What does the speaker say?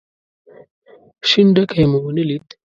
شين ډکی مو ونه ليد.